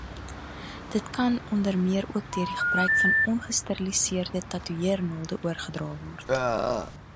Dit kan onder meer ook deur die gebruik van ongesteriliseerde tatoeëernaalde oorgedra word.